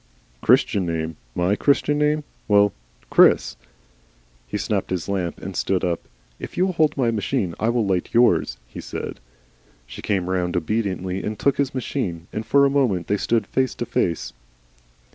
"Christian name? MY Christian name. Well Chris." He snapped his lamp and stood up. "If you will hold my machine, I will light yours," he said. She came round obediently and took his machine, and for a moment they stood face to face.